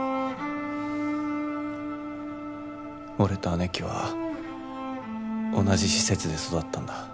俺と姉貴は同じ施設で育ったんだ。